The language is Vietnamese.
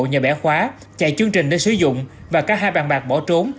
nhờ bẻ khóa chạy chương trình để sử dụng và cả hai bàn bạc bỏ trốn